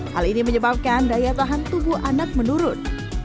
hal ini menyebabkan daya tahan tubuh anak menurun